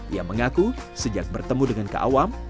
ia mengaku sejak bertemu dengan keawam